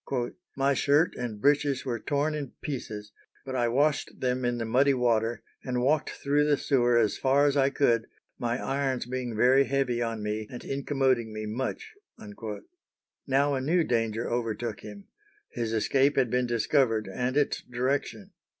"My shirt and breeches were torn in pieces, but I washed them in the muddy water, and walked through the sewer as far as I could, my irons being very heavy on me and incommoding me much." Now a new danger overtook him: his escape had been discovered and its direction.